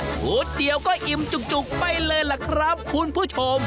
ชุดเดียวก็อิ่มจุกไปเลยล่ะครับคุณผู้ชม